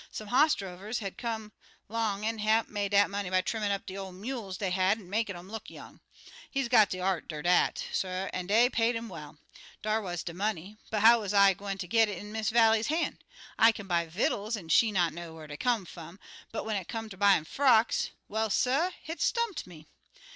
Some hoss drovers had come long an' Hamp made dat money by trimmin' up de ol' mules dey had an' makin' um look young. He's got de art er dat, suh, an' dey paid 'im well. Dar wuz de money, but how wuz I gwine ter git it in Miss Vallie's han'? I kin buy vittles an' she not know whar dey come fum, but when it come ter buyin' frocks well, suh, hit stumped me.